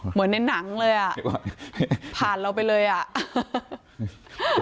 เหมือนในหนังเลยอ่ะผ่านเราไปเลยอ่ะ